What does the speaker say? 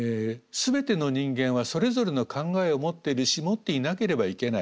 全ての人間はそれぞれの考えを持ってるし持っていなければいけない。